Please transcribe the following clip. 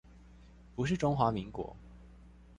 不是中華民國